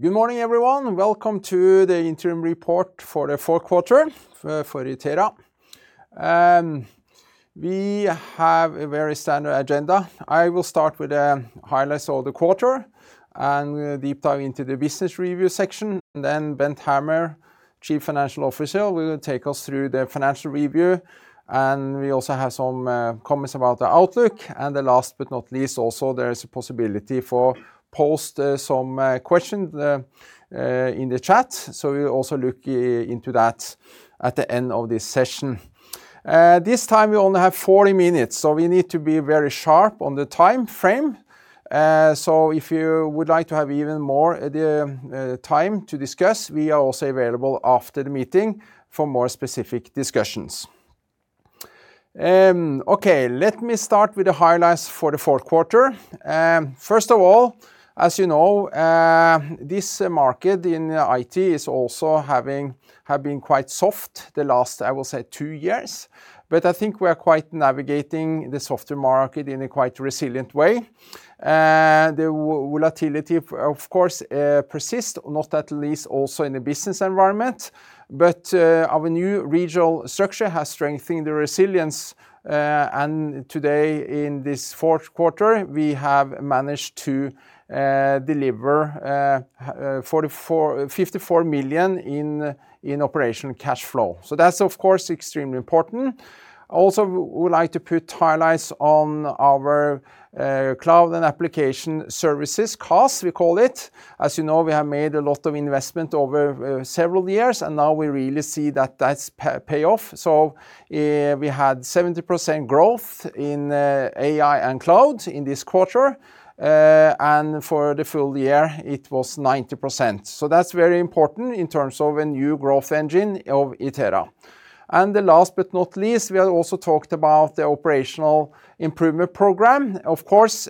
Good morning, everyone. Welcome to the interim report for the Q4 for Itera. We have a very standard agenda. I will start with the highlights of the quarter and deep dive into the business review section. Then Bent Hammer, Chief Financial Officer, will take us through the financial review, and we also have some comments about the outlook. The last but not least, also there is a possibility for post some questions in the chat. So we'll also look into that at the end of this session. This time we only have 40 minutes, so we need to be very sharp on the time frame. So if you would like to have even more time to discuss, we are also available after the meeting for more specific discussions. Okay, let me start with the highlights for the Q4. First of all, as you know, this market in IT is also have been quite soft the last, I will say, two years. But I think we are quite navigating the softer market in a quite resilient way. The volatility, of course, persists, not least also in the business environment, but our new regional structure has strengthened the resilience. And today in this Q4, we have managed to deliver 54 million in operational cash flow. So that's, of course, extremely important. I also would like to put highlights on our Cloud and Application Services, CAS, we call it. As you know, we have made a lot of investment over several years, and now we really see that that's pay off. So, we had 70% growth in AI and cloud in this quarter. And for the full year it was 90%. So that's very important in terms of a new growth engine of Itera. And the last but not least, we have also talked about the operational improvement program. Of course,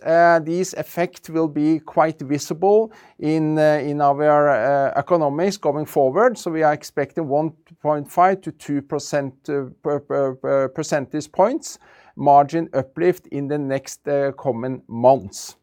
this effect will be quite visible in our economics going forward. So we are expecting 1.5%-2% per percentage points margin uplift in the next coming months.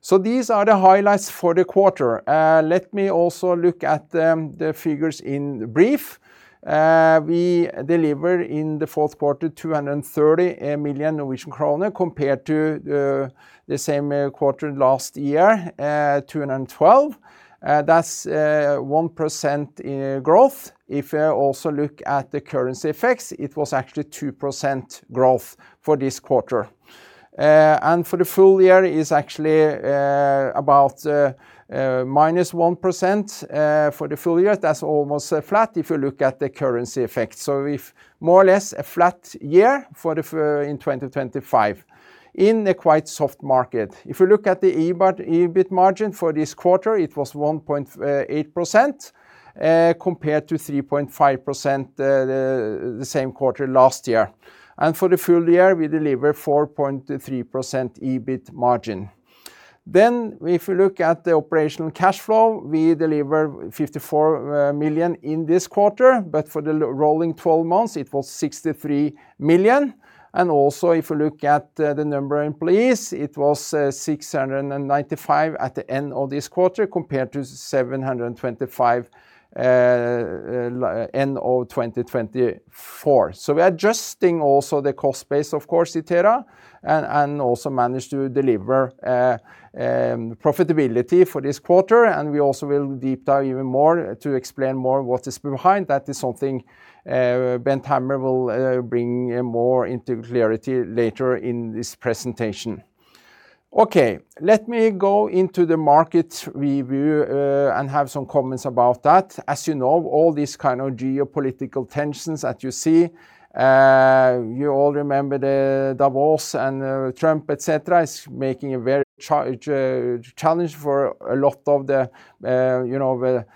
So these are the highlights for the quarter. Let me also look at the figures in brief. We delivered in the Q4, 230 million Norwegian kroner, compared to the same quarter last year, 212 million. That's 1% growth. If you also look at the currency effects, it was actually 2% growth for this quarter. And for the full year, it's actually about minus 1% for the full year. That's almost flat if you look at the currency effect. So if more or less, a flat year for FY 2025 in a quite soft market. If you look at the EBIT, EBIT margin for this quarter, it was 1.8% compared to 3.5% the same quarter last year. And for the full year, we delivered 4.3% EBIT margin. Then if you look at the operational cash flow, we delivered 54 million in this quarter, but for the rolling twelve months it was 63 million. Also, if you look at the number of employees, it was 695 at the end of this quarter, compared to 725, end of 2024. So we are adjusting also the cost base, of course, Itera, and also managed to deliver profitability for this quarter. We also will deep dive even more to explain more what is behind. That is something Bent Hammer will bring more into clarity later in this presentation. Okay, let me go into the market review and have some comments about that. As you know, all these kind of geopolitical tensions that you see, you all remember the Davos and, Trump, et cetera, is making a very challenge for a lot of the, you know, the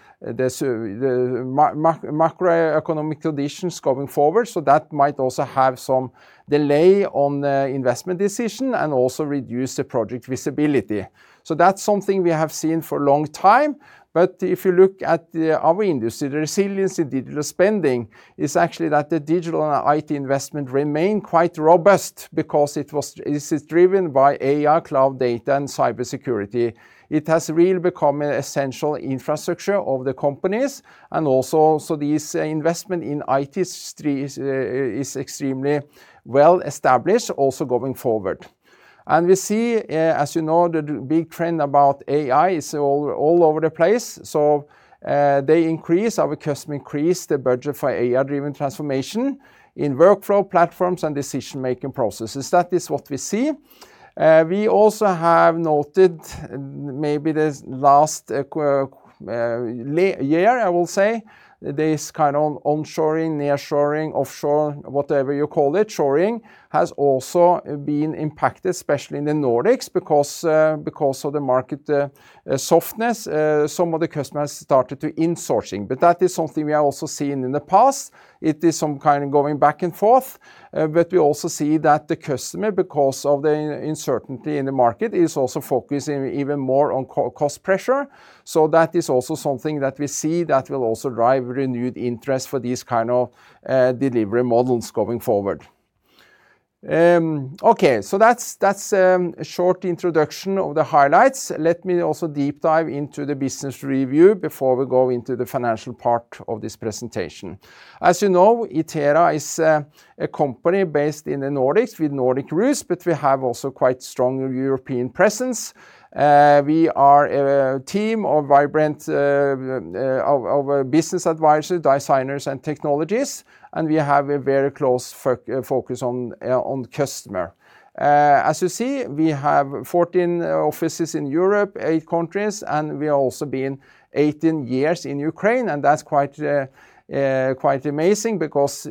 macroeconomic conditions going forward. So that might also have some delay on the investment decision and also reduce the project visibility. So that's something we have seen for a long time. But if you look at our industry, the resilience in digital spending is actually that the digital and IT investment remain quite robust because this is driven by AI, cloud data, and cybersecurity. It has really become an essential infrastructure of the companies. And also, so this investment in IT spend is extremely well-established, also going forward. And we see, as you know, the big trend about AI is all, all over the place. So, they increase, our customer increase the budget for AI-driven transformation in workflow platforms and decision-making processes. That is what we see. We also have noted, maybe this last year, I will say, this kind of onshoring, nearshoring, offshoring, whatever you call it, shoring, has also been impacted, especially in the Nordics, because of the market softness. Some of the customers started to insourcing, but that is something we have also seen in the past. It is some kind of going back and forth, but we also see that the customer, because of the uncertainty in the market, is also focusing even more on cost pressure. So that is also something that we see that will also drive renewed interest for these kind of delivery models going forward. Okay, so that's a short introduction of the highlights. Let me also deep dive into the business review before we go into the financial part of this presentation. As you know, Itera is a company based in the Nordics with Nordic roots, but we have also quite strong European presence. We are a team of vibrant business advisors, designers, and technologists, and we have a very close focus on customer. As you see, we have 14 offices in Europe, eight countries, and we are also been 18 years in Ukraine, and that's quite amazing because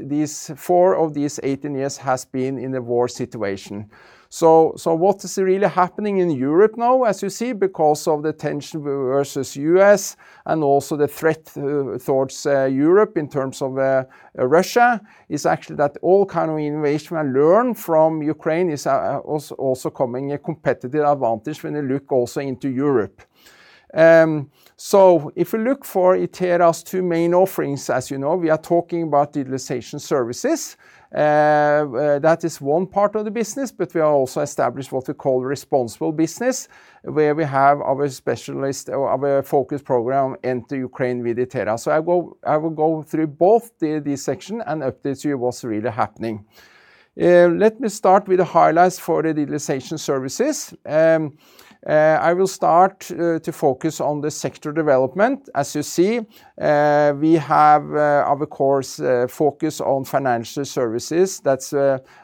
four of these 18 years has been in a war situation. So what is really happening in Europe now, as you see, because of the tension versus U.S. and also the threat towards Europe in terms of Russia, is actually that all kind of innovation we learn from Ukraine is also coming a competitive advantage when you look also into Europe. So if you look for Itera's two main offerings, as you know, we are talking about digital services. That is one part of the business, but we are also established what we call responsible business, where we have our specialist or our focus program into Ukraine with Itera. So I will go through both these sections and update you what's really happening. Let me start with the highlights for the digital services. I will start to focus on the sector development. As you see, we have, of course, focus on financial services. That's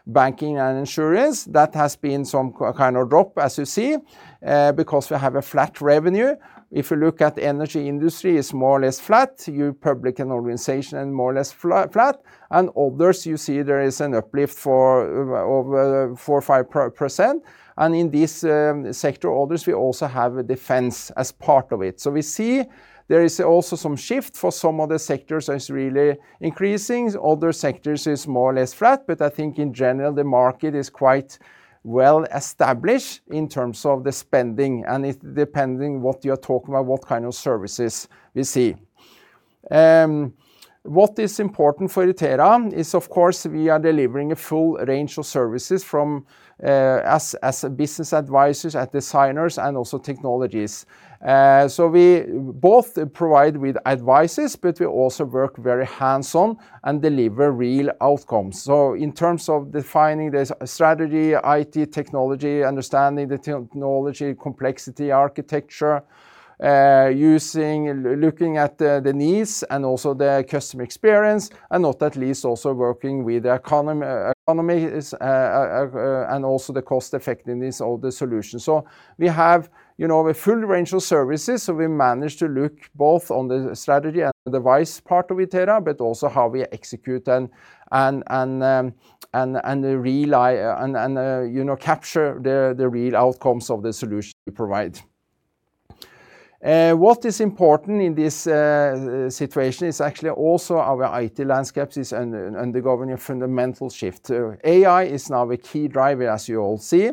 banking and insurance. That has been some kind of drop, as you see, because we have a flat revenue. If you look at energy industry, it's more or less flat. Your public and organization and more or less flat, and others, you see there is an uplift for over 4 or 5%, and in this sector others, we also have a defense as part of it. So we see there is also some shift for some of the sectors is really increasing. Other sectors is more or less flat, but I think in general, the market is quite well established in terms of the spending, and it depending what you are talking about, what kind of services we see. What is important for Itera is, of course, we are delivering a full range of services from as business advisors and designers and also technologists. So we both provide with advice, but we also work very hands-on and deliver real outcomes. So in terms of defining the strategy, IT, technology, understanding the technology, complexity, architecture, using. Looking at the needs and also the customer experience, and not least also working with the economy and also the cost effectiveness of the solution. So we have, you know, a full range of services, so we manage to look both on the strategy and advise part of Itera, but also how we execute and rely and, you know, capture the real outcomes of the solution we provide. What is important in this situation is actually also our IT landscapes is undergoing a fundamental shift. AI is now a key driver, as you all see,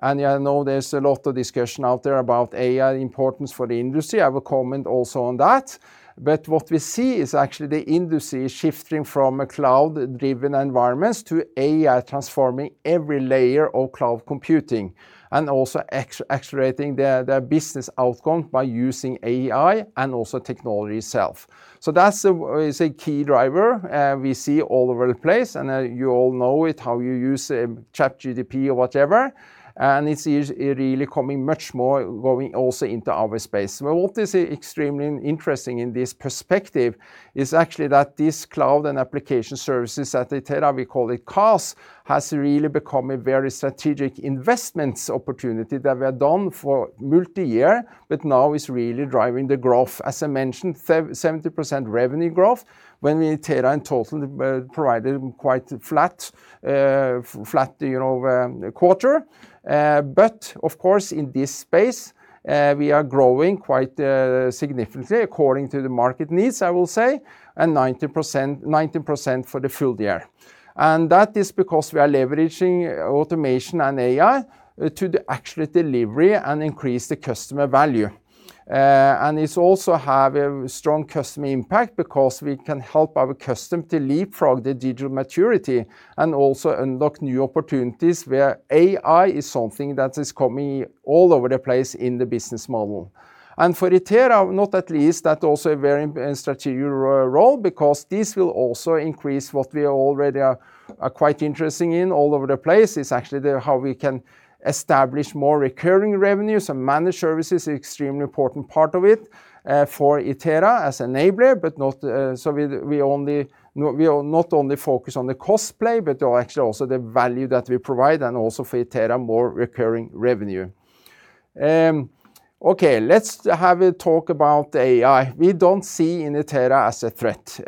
and I know there's a lot of discussion out there about AI importance for the industry. I will comment also on that. But what we see is actually the industry is shifting from a cloud-driven environments to AI, transforming every layer of cloud computing, and also accelerating the business outcome by using AI and also technology itself. So that's a key driver we see all over the place, and you all know it, how you use ChatGPT or whatever, and it's really coming much more going also into our space. But what is extremely interesting in this perspective is actually that this Cloud and Application Services at Itera, we call it CAS, has really become a very strategic investments opportunity that we have done for multi-year, but now is really driving the growth. As I mentioned, 70% revenue growth when we Itera in total provided quite a flat, flat, you know, quarter. But of course, in this space, we are growing quite significantly according to the market needs, I will say, and 90%, 19% for the full year. And that is because we are leveraging automation and AI to the actual delivery and increase the customer value. and it's also have a strong customer impact because we can help our customer to leapfrog the digital maturity and also unlock new opportunities, where AI is something that is coming all over the place in the business model. And for Itera, not least, that also a very strategic role, because this will also increase what we already are quite interesting in all over the place, is actually the how we can establish more recurring revenues and managed services, extremely important part of it, for Itera as enabler, but not, so we, we only... We not only focus on the cost play, but actually also the value that we provide and also for Itera, more recurring revenue. Okay, let's have a talk about AI. We don't see inertia as a threat.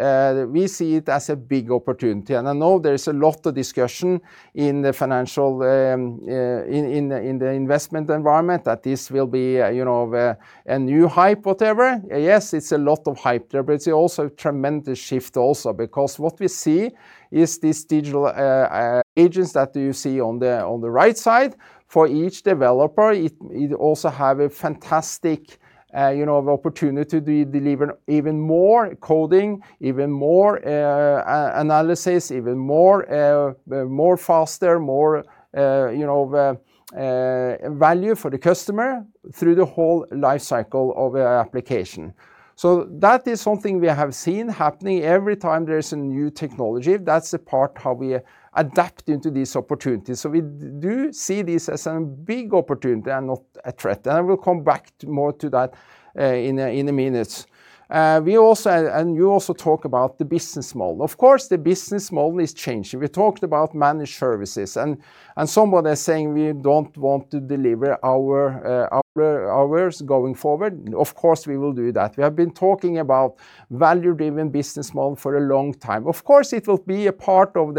We see it as a big opportunity, and I know there is a lot of discussion in the financial, in the investment environment that this will be, you know, a new hype, whatever. Yes, it's a lot of hype there, but it's also a tremendous shift also, because what we see is these digital agents that you see on the right side. For each developer, it also have a fantastic, you know, opportunity to deliver even more coding, even more analysis, even more faster, more, you know, value for the customer through the whole life cycle of an application. So that is something we have seen happening every time there is a new technology. That's the part how we adapt into these opportunities. So we do see this as a big opportunity and not a threat, and I will come back more to that in a minute. We also you also talk about the business model. Of course, the business model is changing. We talked about managed services and somebody is saying we don't want to deliver our hours going forward. Of course, we will do that. We have been talking about value-driven business model for a long time. Of course, it will be a part of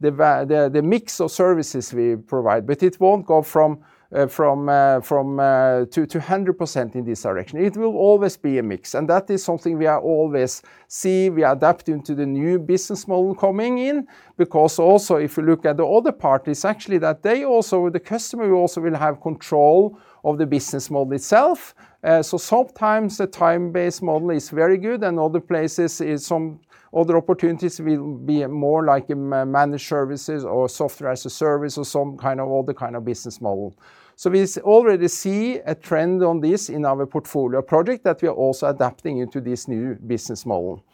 the mix of services we provide, but it won't go from to 100% in this direction. It will always be a mix, and that is something we always see. We are adapting to the new business model coming in because also if you look at the other parties, actually, that they also, the customer also will have control of the business model itself. So sometimes the time-based model is very good, and other places is some other opportunities will be more like a managed services or software as a service or some kind of other kind of business model. So we already see a trend on this in our portfolio project that we are also adapting into this new business model.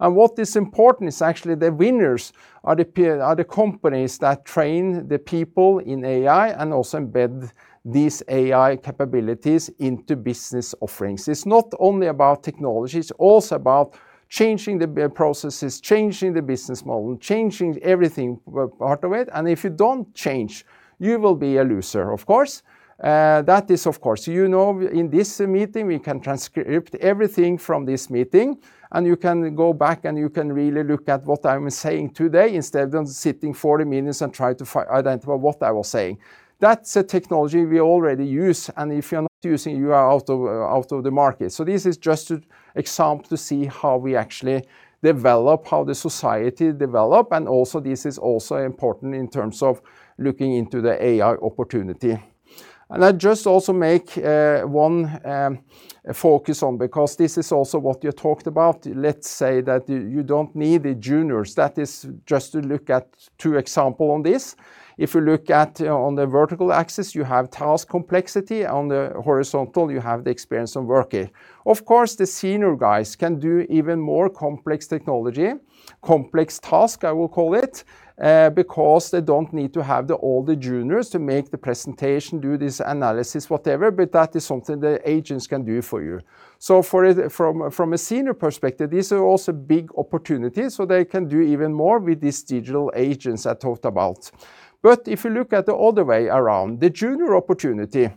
And what is important is actually the winners are the companies that train the people in AI and also embed these AI capabilities into business offerings. It's not only about technology, it's also about changing the processes, changing the business model, changing everything part of it, and if you don't change, you will be a loser, of course. That is, of course, you know, in this meeting, we can transcribe everything from this meeting, and you can go back, and you can really look at what I'm saying today, instead of sitting 40 minutes and trying to identify what I was saying. That's a technology we already use, and if you're not using, you are out of the market. So this is just an example to see how we actually develop, how the society develop. And also, this is also important in terms of looking into the AI opportunity. And I just also make one focus on, because this is also what you talked about. Let's say that you don't need the juniors. That is just to look at two example on this. If you look at on the vertical axis, you have task complexity. On the horizontal, you have the experience of worker. Of course, the senior guys can do even more complex technology, complex task, I will call it, because they don't need to have all the juniors to make the presentation, do this analysis, whatever, but that is something the agents can do for you. So from a senior perspective, these are also big opportunities, so they can do even more with these digital agents I talked about. But if you look at the other way around, the junior opportunity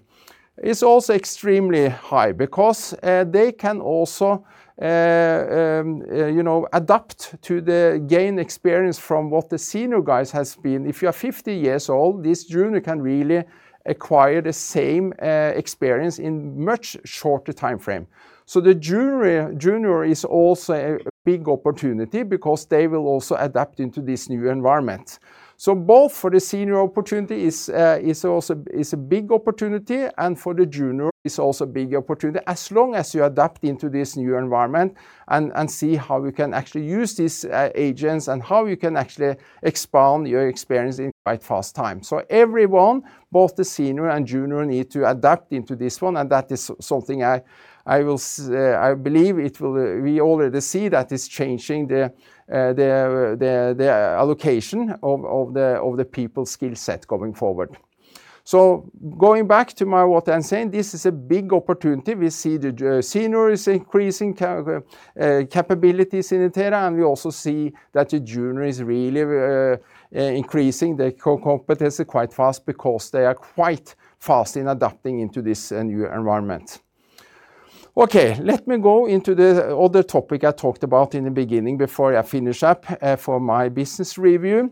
is also extremely high because they can also, you know, adapt to the gain experience from what the senior guys has been. If you are 50 years old, this junior can really acquire the same experience in much shorter timeframe. So the junior is also a big opportunity because they will also adapt into this new environment. So both for the senior opportunity is also a big opportunity, and for the junior, is also a big opportunity, as long as you adapt into this new environment and see how you can actually use these agents and how you can actually expand your experience in quite fast time. So everyone, both the senior and junior, need to adapt into this one, and that is something I believe it will. We already see that it's changing the allocation of the people skill set going forward. So going back to what I am saying, this is a big opportunity. We see the junior is increasing capabilities in Itera, and we also see that the junior is really increasing their competency quite fast because they are quite fast in adapting into this new environment. Okay, let me go into the other topic I talked about in the beginning before I finish up for my business review.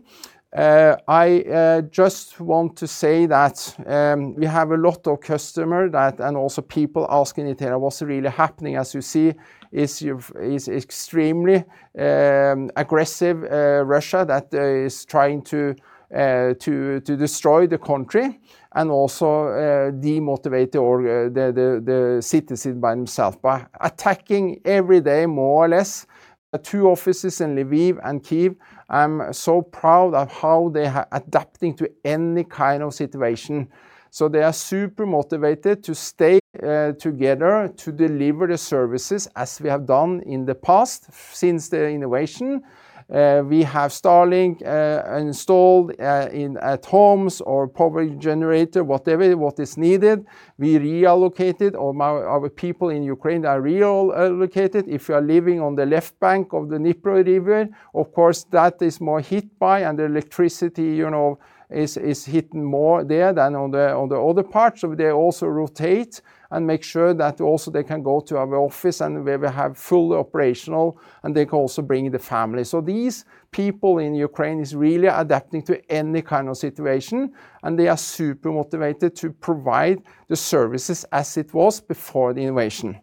I just want to say that we have a lot of customer that, and also people asking Itera what's really happening. As you see, it is extremely aggressive Russia that is trying to to destroy the country and also demotivate the citizens by themselves, by attacking every day, more or less, the two offices in Lviv and Kyiv. I'm so proud of how they are adapting to any kind of situation. So they are super motivated to stay together to deliver the services, as we have done in the past since the invasion. We have Starlink installed in at homes or power generator, whatever what is needed. We reallocated all our people in Ukraine are reallocated. If you are living on the left bank of the Dnipro River, of course, that is more hit by, and the electricity, you know, is hitting more there than on the other parts. So they also rotate and make sure that also they can go to our office, and where we have full operational, and they can also bring the family. So these people in Ukraine is really adapting to any kind of situation, and they are super motivated to provide the services as it was before the invasion.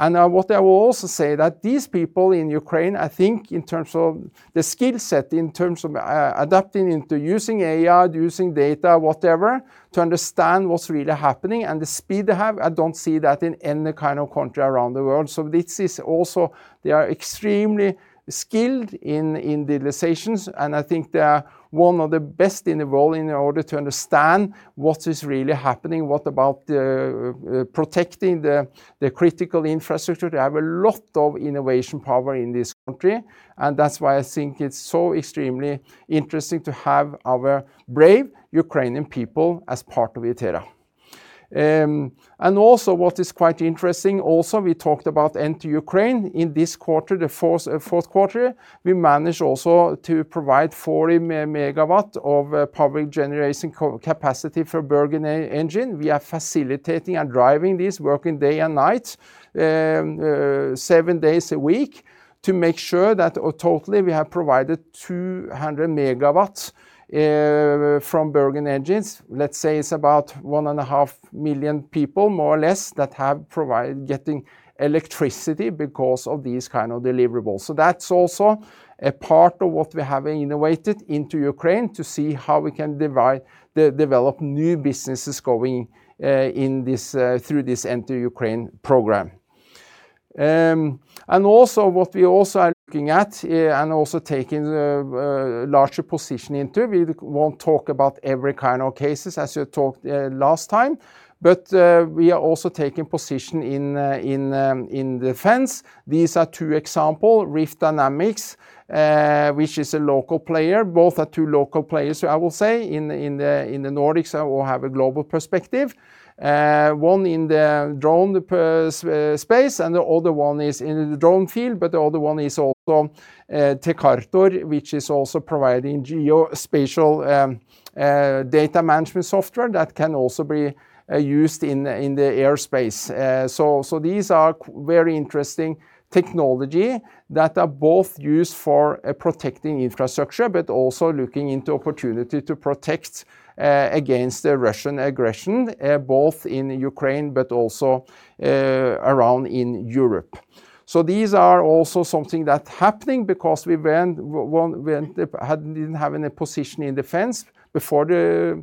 And, what I will also say that these people in Ukraine, I think in terms of the skill set, in terms of, adapting into using AI, using data, whatever, to understand what's really happening and the speed they have, I don't see that in any kind of country around the world. So this is also... They are extremely skilled in, in the decisions, and I think they are one of the best in the world in order to understand what is really happening, what about the, protecting the, the critical infrastructure. They have a lot of innovation power in this country, and that's why I think it's so extremely interesting to have our brave Ukrainian people as part of Itera. And also what is quite interesting also, we talked about Enter Ukraine in this quarter, the Q4, we managed also to provide 40 MW of power generation capacity for Bergen Engines. We are facilitating and driving this, working day and night, seven days a week, to make sure that in total we have provided 200 MW from Bergen Engines. Let's say it's about 1.5 million people, more or less, that are getting electricity because of these kind of deliverables. So that's also a part of what we have innovated into Ukraine to see how we can develop new businesses going in this through this Enter Ukraine program. And also what we also are looking at and also taking the larger position into, we won't talk about every kind of cases as we talked last time, but we are also taking position in in defense. These are two examples, Rift Dynamics, which is a local player. Both are two local players, I will say, in the Nordics or have a global perspective. One in the drone space, and the other one is in the drone field, but the other one is also T-Kartor, which is also providing geospatial data management software that can also be used in the airspace. So these are very interesting technology that are both used for protecting infrastructure, but also looking into opportunity to protect against the Russian aggression both in Ukraine but also around in Europe. So these are also something that's happening because we didn't have any position in defense before the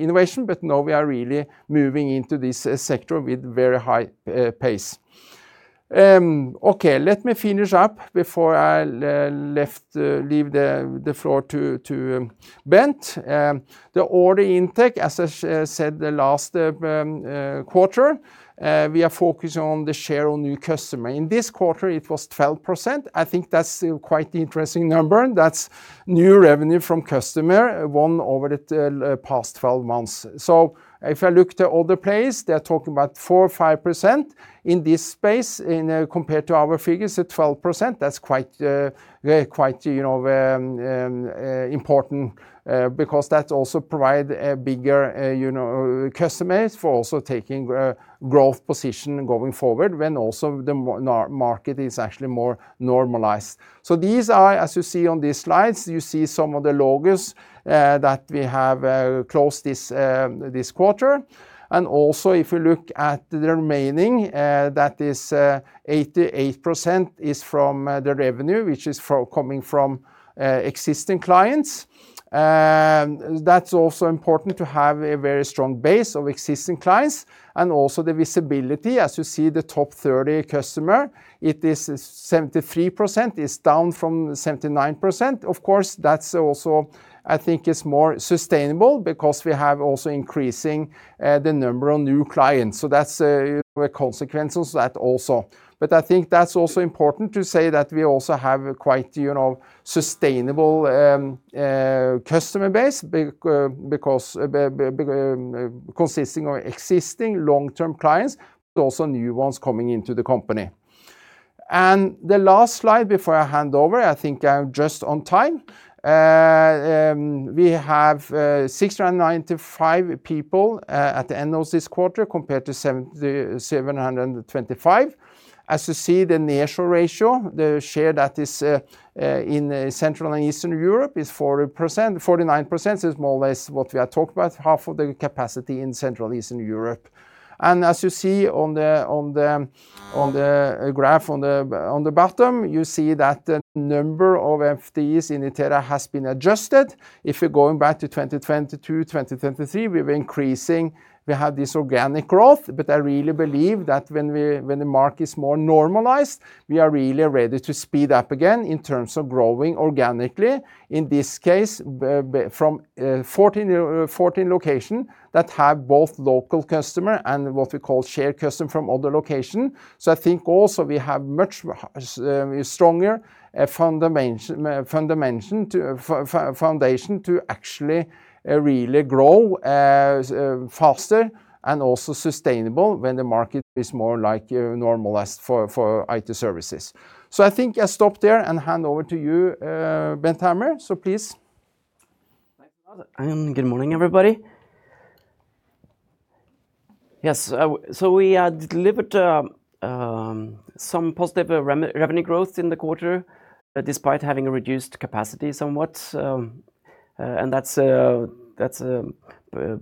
invasion, but now we are really moving into this sector with very high pace. Okay, let me finish up before I leave the floor to Bent. The order intake, as I said, the last quarter, we are focusing on the share of new customer. In this quarter, it was 12%. I think that's a quite interesting number, and that's new revenue from customer, one, over the past 12 months. So if I look to other place, they're talking about 4 or 5%. In this space, compared to our figures at 12%, that's quite, you know, important, because that also provide a bigger, you know, customers for also taking a growth position going forward when also the market is actually more normalized. So these are, as you see on these slides, you see some of the logos that we have closed this quarter. And also, if you look at the remaining, that is, 88% is from the revenue, which is coming from existing clients. That's also important to have a very strong base of existing clients and also the visibility. As you see, the top 30 customer, it is 73%, is down from 79%. Of course, that's also, I think it's more sustainable because we have also increasing the number of new clients, so that's the consequences of that also. But I think that's also important to say that we also have a quite, you know, sustainable customer base, because consisting of existing long-term clients, but also new ones coming into the company. And the last slide before I hand over, I think I'm just on time. We have 695 people at the end of this quarter, compared to 7,725. As you see, the nearshore ratio, the share that is in Central and Eastern Europe, is 40%. Forty-nine percent is more or less what we are talking about, half of the capacity in Central Eastern Europe. And as you see on the graph on the bottom, you see that the number of FTEs in Itera has been adjusted. If you're going back to 2022, 2023, we were increasing, we had this organic growth, but I really believe that when the market is more normalized, we are really ready to speed up again in terms of growing organically, in this case, from 14 locations that have both local customer and what we call shared customer from other location. So I think also we have much stronger foundation to actually really grow faster and also sustainable when the market is more like normalized for IT services. So I think I stop there and hand over to you, Bent Hammer. So please. Thanks a lot, and good morning, everybody. Yes, so we delivered some positive revenue growth in the quarter, despite having a reduced capacity somewhat. And that's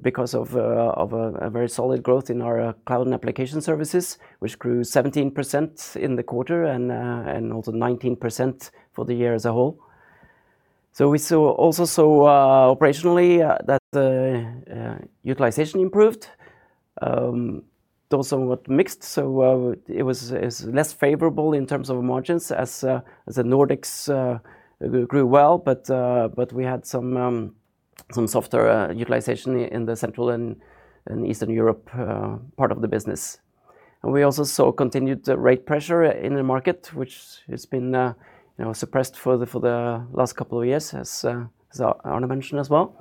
because of a very solid growth in our cloud and application services, which grew 17% in the quarter, and also 19% for the year as a whole. So we saw operationally that the utilization improved, though somewhat mixed. So, it was less favorable in terms of margins as the Nordics grew well, but we had some softer utilization in the Central and Eastern Europe part of the business. We also saw continued rate pressure in the market, which has been, you know, suppressed for the last couple of years, as Arne mentioned as well.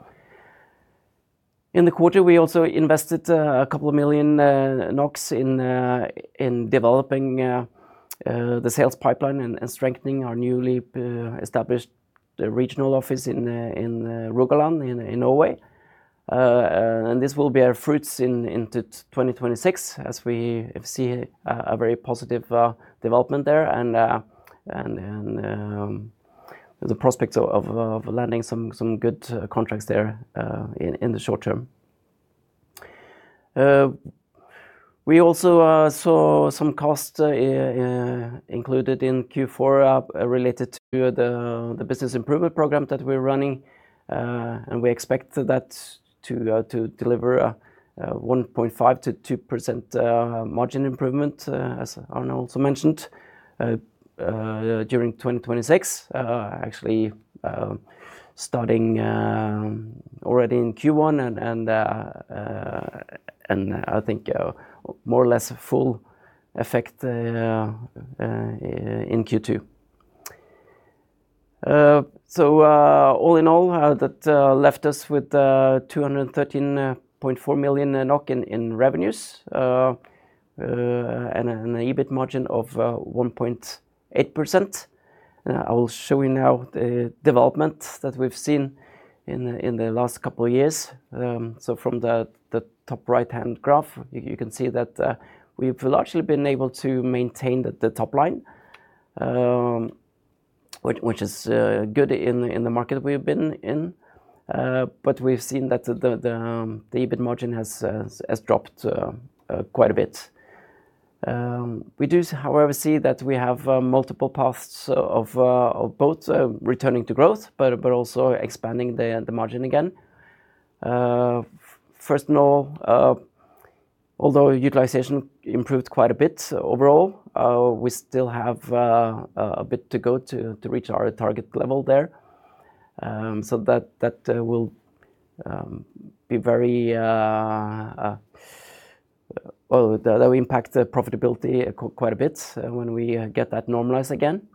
In the quarter, we also invested 2 million NOK in developing the sales pipeline and strengthening our newly established regional office in Rogaland, in Norway. This will bear fruits into 2026, as we see a very positive development there, and the prospect of landing some good contracts there in the short term. We also saw some costs included in Q4 related to the business improvement program that we're running, and we expect that to deliver a 1.5%-2% margin improvement, as Arne also mentioned, during 2026. Actually, starting already in Q1 and I think more or less a full effect in Q2. So, all in all, that left us with 213.4 million NOK in revenues and an EBIT margin of 1.8%. I will show you now the development that we've seen in the last couple of years. So from the top right-hand graph, you can see that we've largely been able to maintain the top line, which is good in the market we've been in. But we've seen that the EBIT margin has dropped quite a bit. We do, however, see that we have multiple paths of both returning to growth, but also expanding the margin again. First of all, although utilization improved quite a bit overall, we still have a bit to go to reach our target level there. So that will be very... Well, that will impact the profitability quite a bit, when we get that normalized again.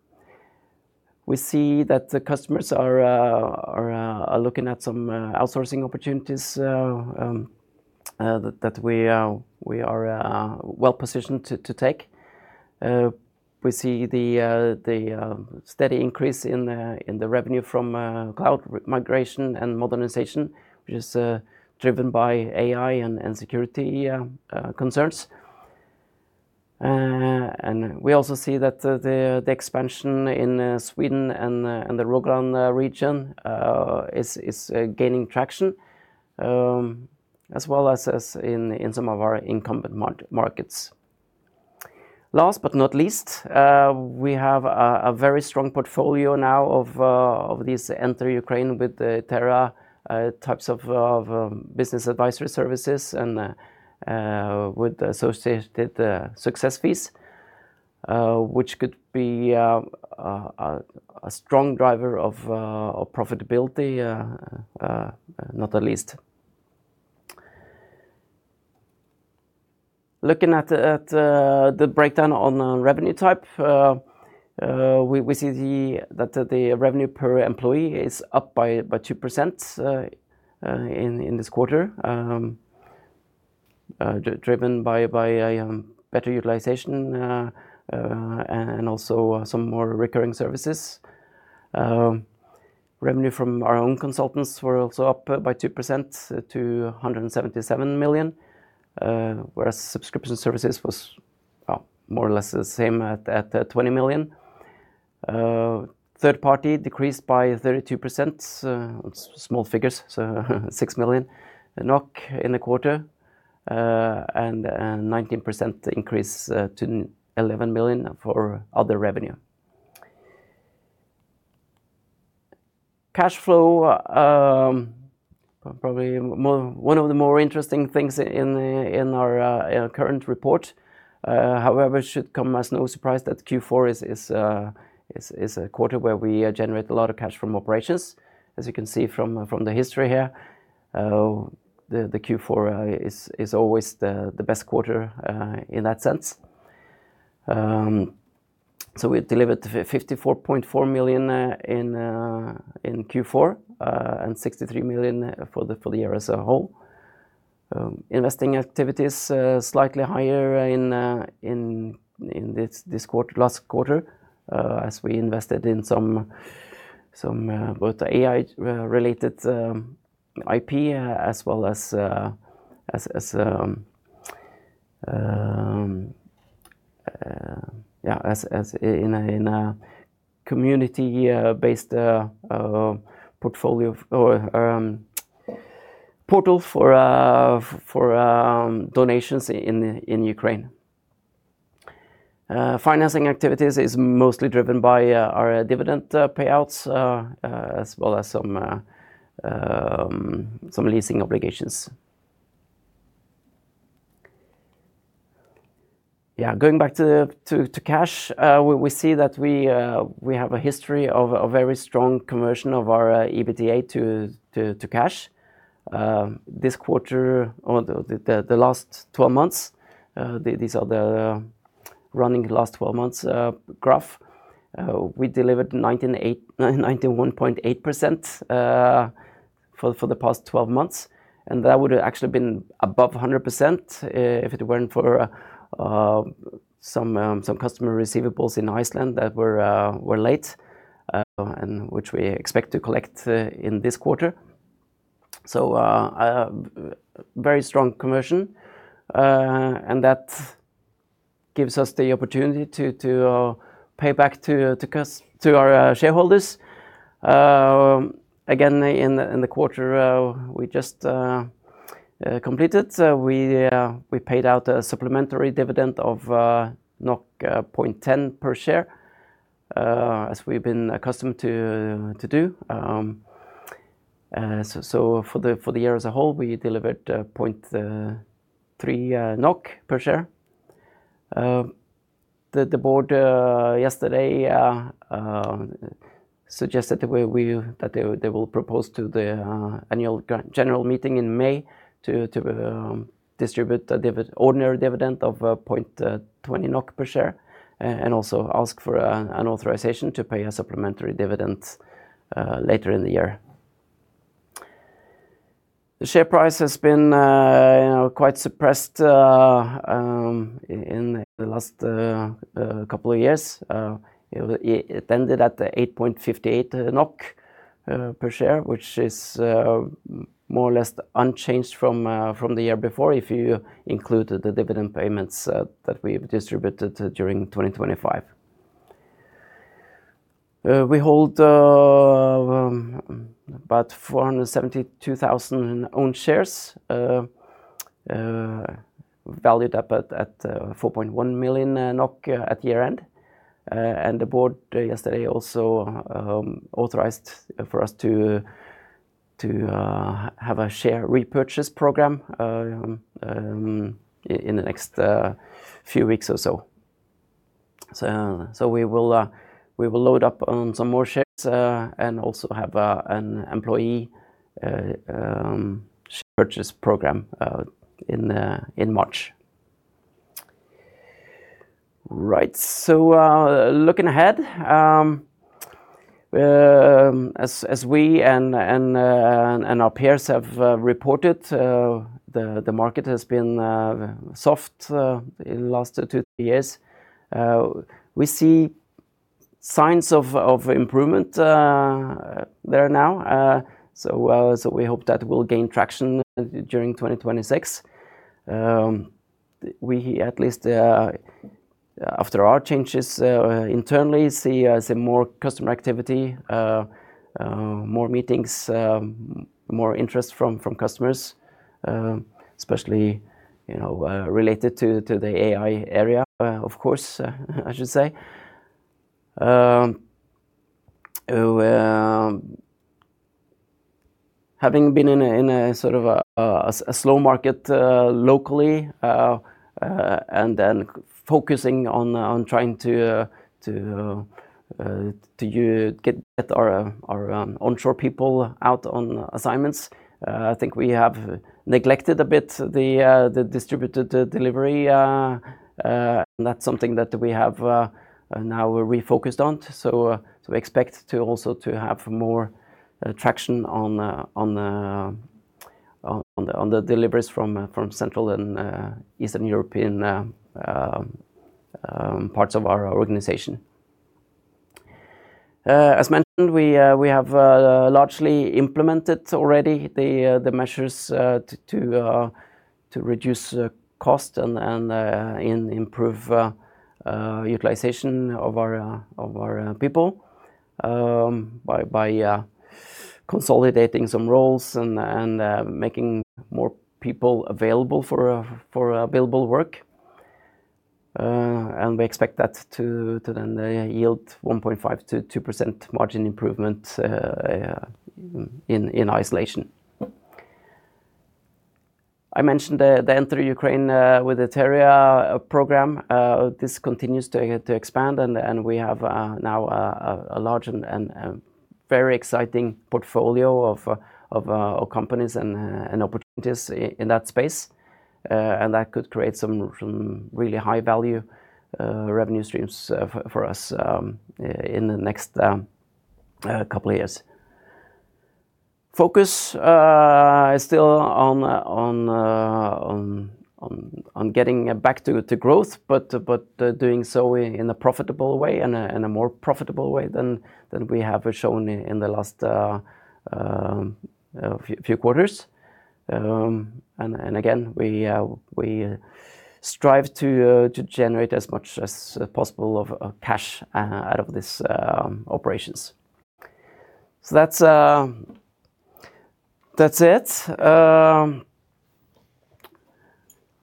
We see that the customers are looking at some outsourcing opportunities that we are well positioned to take. We see the steady increase in the revenue from cloud migration and modernization, which is driven by AI and security concerns. And we also see that the expansion in Sweden and the Rogaland region is gaining traction as well as in some of our incumbent markets. Last but not least, we have a very strong portfolio now of these Enter Ukraine with Itera types of business advisory services and with associated success fees, which could be a strong driver of profitability, not the least. Looking at the breakdown on revenue type, we see that the revenue per employee is up by 2% in this quarter, driven by a better utilization and also some more recurring services. Revenue from our own consultants were also up by 2% to 177 million, whereas subscription services was, well, more or less the same at 20 million. Third-party decreased by 32%, small figures, so 6 million NOK in the quarter, and 19% increase to 11 million for other revenue. Cash flow, probably one of the more interesting things in our current report. However, it should come as no surprise that Q4 is a quarter where we generate a lot of cash from operations. As you can see from the history here, Q4 is always the best quarter in that sense. So we delivered 54.4 million in Q4, and 63 million for the year as a whole. Investing activities slightly higher in this quarter, last quarter, as we invested in some both AI-related IP, as well as in a community-based portfolio or portal for donations in Ukraine. Financing activities is mostly driven by our dividend payouts, as well as some leasing obligations. Yeah, going back to cash, we see that we have a history of a very strong conversion of our EBITDA to cash. This quarter or the last twelve months, these are the running last twelve months graph. We delivered 98, 91.8% for the past 12 months, and that would have actually been above 100% if it weren't for some customer receivables in Iceland that were late, and which we expect to collect in this quarter. So, a very strong conversion, and that gives us the opportunity to pay back to our shareholders. Again, in the quarter we just completed, we paid out a supplementary dividend of 0.10 per share, as we've been accustomed to do. So, for the year as a whole, we delivered 0.3 NOK per share. The board yesterday suggested that they will propose to the annual general meeting in May to distribute an ordinary dividend of 0.20 NOK per share, and also ask for an authorization to pay a supplementary dividend later in the year. The share price has been, you know, quite suppressed in the last couple of years. It ended at 8.58 NOK per share, which is more or less unchanged from the year before, if you include the dividend payments that we've distributed during 2025. We hold about 472,000 own shares valued at 4.1 million NOK at year-end. And the board yesterday also authorized for us to have a share repurchase program in the next few weeks or so. So we will load up on some more shares and also have an employee share purchase program in March. So looking ahead, as we and our peers have reported, the market has been soft in the last two, three years. We see signs of improvement there now. So we hope that will gain traction during 2026. We at least, after our changes internally, see more customer activity, more meetings, more interest from customers, especially, you know, related to the AI area, of course, I should say. Having been in a sort of slow market locally, and then focusing on trying to get our onshore people out on assignments, I think we have neglected a bit the distributed delivery, and that's something that we have now refocused on. So, we expect to also have more traction on the deliveries from Central and Eastern European parts of our organization. As mentioned, we have largely implemented already the measures to reduce cost and improve utilization of our people by consolidating some roles and making more people available for available work. We expect that to then yield 1.5%-2% margin improvement in isolation. I mentioned the Enter Ukraine with Itera program. This continues to expand, and we have now a large and very exciting portfolio of companies and opportunities in that space. And that could create some really high-value revenue streams for us in the next couple of years. Focus is still on getting back to growth, but doing so in a profitable way, and in a more profitable way than we have shown in the last few quarters. And again, we strive to generate as much as possible of cash out of this operations. So that's it.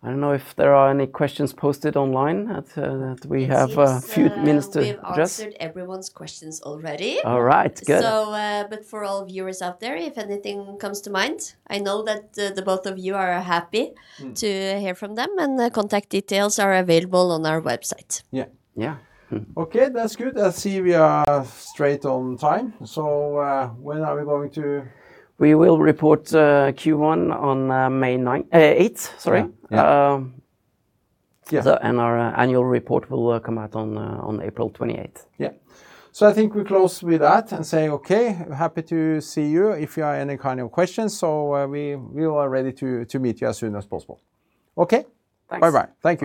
I don't know if there are any questions posted online that we have a few minutes to address. It seems, we have answered everyone's questions already. All right, good. So, but for all viewers out there, if anything comes to mind, I know that the both of you are happy- Mm. to hear from them, and the contact details are available on our website. Yeah. Yeah. Mm. Okay, that's good. I see we are straight on time, so, when are we going to... We will report Q1 on May 9... 8, sorry. Yeah. Yeah. Um- Yeah And our annual report will come out on April 28. Yeah. So I think we close with that and say, okay, happy to see you. If you have any kind of questions, so, we are ready to meet you as soon as possible. Okay? Thanks. Bye-bye. Thank you.